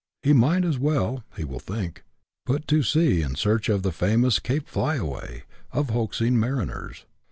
He might as well (he will think) put to sea in search of the famous " Cape Flyaway " of hoaxing mariners.